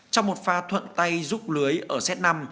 trong một pha thuận tay giúp lưới ở xét năm